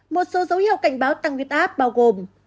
một số dấu hiệu cảnh báo tăng huyết áp bao gồm